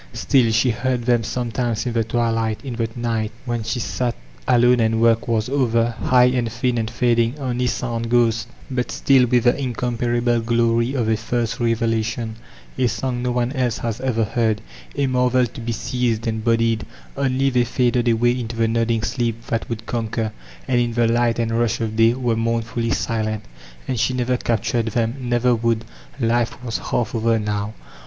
Still she heard them s o metimes in the twilight, in the night, when she sat alone and work was over; high and thin and fading, only sound ghosts, but still with the incomparable glory of a first revelation, a song no one else has ever heard, a marvel to be seized and bodied; only,— they faded away into the nodding sleep that would conquer, and in the light and rush of day were mournfully sQent And she never captured them, never would; life was half over now.